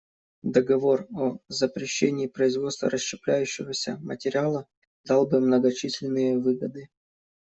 Договор о запрещении производства расщепляющегося материала дал бы многочисленные выгоды.